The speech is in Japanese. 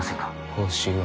報酬は？